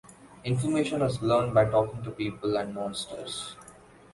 Information is learned by talking to people and monsters.